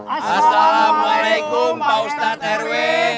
assalamualaikum pak ustad rw